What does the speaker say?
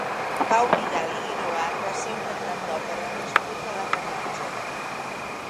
Pau Vidal i Guinovart va ser un cantant d'òpera nascut a la Canonja.